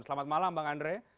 selamat malam bang andre